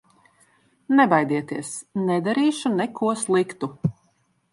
Nebaidieties, nedarīšu neko sliktu!